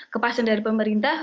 kepasan dari pemerintah